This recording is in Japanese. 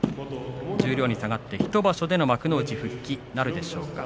十両に下がって１場所での幕内復帰があるでしょうか。